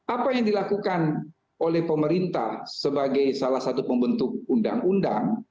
apa yang dilakukan oleh pemerintah sebagai salah satu pembentuk undang undang